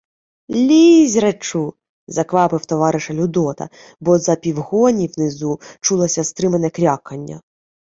— Лізь, речу! — заквапив товариша Людота, бо за півгоні внизу чулося стримане крякання.